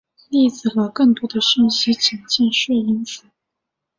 例子和更多的讯息请见锐音符。